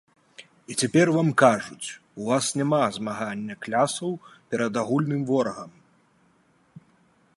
— І цяпер вам кажуць: у вас няма змагання клясаў перад агульным ворагам…